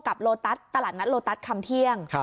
โลตัสตลาดนัดโลตัสคำเที่ยง